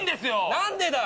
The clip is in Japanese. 何でだ